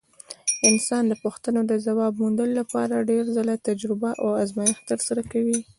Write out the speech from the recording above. انسان د پوښتنو د ځواب موندلو لپاره ډېر ځله تجربه او ازمېښت ترسره کوي.